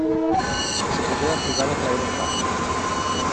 Si poteva frugare fra i rottami.